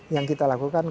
yang kita lakukan